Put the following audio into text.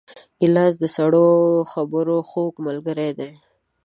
ګیلاس د سړو خبرو خوږ ملګری دی.